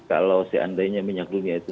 kalau seandainya minyak dunia itu